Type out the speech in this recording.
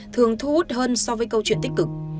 thường thu hút hơn so với câu chuyện tích cực